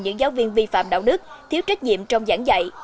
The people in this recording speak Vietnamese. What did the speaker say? những giáo viên vi phạm đạo đức thiếu trách nhiệm trong giảng dạy